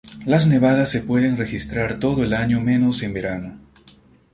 Las nevadas se pueden registrar todo el año menos en verano.